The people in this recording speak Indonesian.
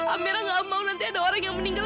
amera gak mau nanti ada orang yang meninggal